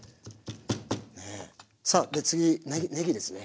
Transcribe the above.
さあ次ねぎですね。